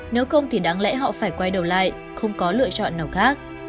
nếu không thì đáng lẽ họ phải quay đầu lại không có lựa chọn nào khác